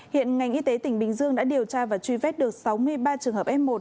hiện ngành y tế tỉnh bình dương đã điều tra và truy vết được sáu mươi ba trường hợp f một